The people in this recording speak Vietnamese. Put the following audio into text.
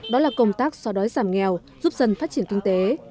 đó là công tác so đói giảm nghèo giúp dân phát triển kinh tế